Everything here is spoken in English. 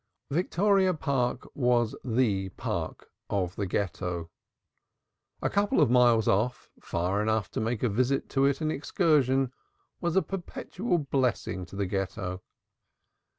Victoria Park was the Park to the Ghetto. A couple of miles off, far enough to make a visit to it an excursion, it was a perpetual blessing to the Ghetto.